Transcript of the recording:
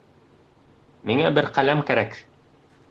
Миңә бер ҡәләм кәрәк